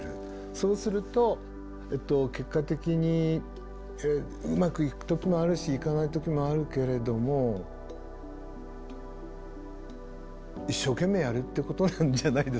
そうすると結果的にうまくいく時もあるしいかない時もあるけれども一生懸命やるってことなんじゃないですかね。